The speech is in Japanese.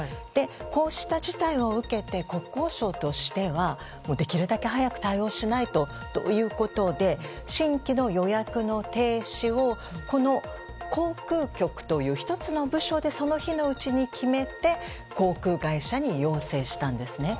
こうした事態を受けて国交省としてはできるだけ早く対応しないとということで新規の予約の停止を航空局という１つの部署でその日のうちに決めて航空会社に要請したんですね。